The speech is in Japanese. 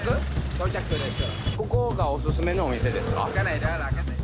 到着です